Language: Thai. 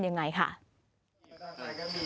มีอย่างไรบ้างครับ